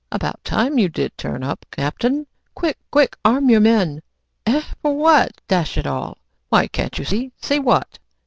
"About time you did turn up, captain! Quick, quick, arm your men!" "Eh, what for? dash it all!" "Why, can't you see?" "See what?"